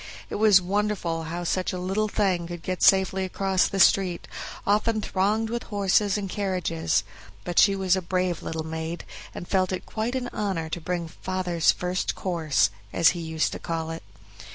It was wonderful how such a little thing could get safely across the street, often thronged with horses and carriages; but she was a brave little maid, and felt it quite an honor to bring "father's first course", as he used to call it.